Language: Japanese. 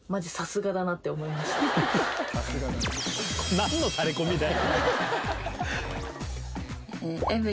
何のタレコミだよ！